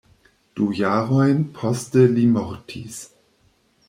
Du jarojn poste li mortis.